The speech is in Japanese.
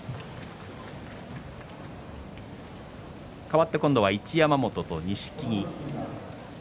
かわって今度は一山本と錦木です。